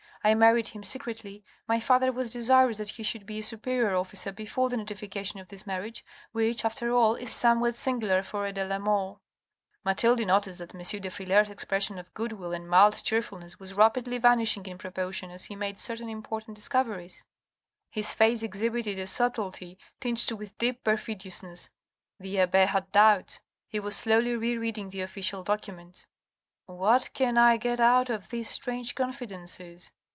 I married him secretly, my father was desirous that he should be a superior officer before the notification of this marriage, which, after all, is somewhat singular for a de la Mole." Mathilde noticed that M. de Frilair's expression of goodwill and mild cheerfulness was rapidly vanishing in proportion as he made certain important discoveries. His face exhibited a subtlety tinged with deep perfidiousness, the abbe had doubts, he was slowly re reading the official documents. " What can I get out of these strange confidences